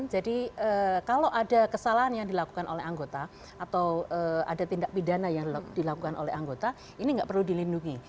jadi kalau ada kesalahan yang dilakukan oleh anggota atau ada tindak pidana yang dilakukan oleh anggota ini nggak perlu dilindungi